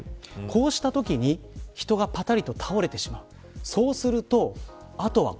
こうしたときに、人がぱたりと倒れてしまう。